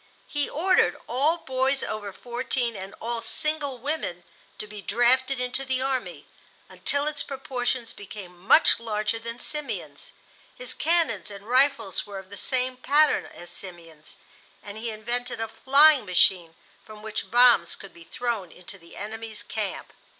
He ordered all boys over fourteen and all single women to be drafted into the army, until its proportions became much larger than Simeon's. His cannons and rifles were of the same pattern as Simeon's, and he invented a flying machine from which bombs could be thrown into the enemy's camp.